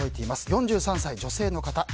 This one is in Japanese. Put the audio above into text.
４３歳、女性の方。